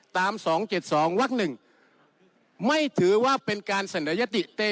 ตามสองเจ็ดสองวักหนึ่งไม่ถือว่าเป็นการเสนอยัตติ